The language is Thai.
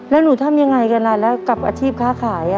แล้วหนูทำยังไงกันแล้วกับอาทิตย์ค้าขาย